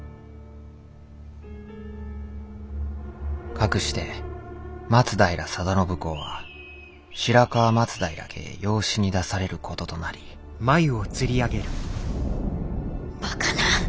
かくして松平定信公は白河松平家へ養子に出されることとなりバカな！